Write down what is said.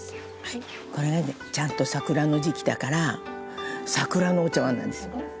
「これがねちゃんと桜の時期だから桜のお茶碗なんですよ」